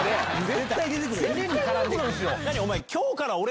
絶対出てくるやん。